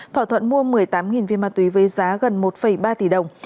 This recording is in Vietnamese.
thỏa thuận mua một mươi tám viên ma túy với giá gần một ba tỷ đồng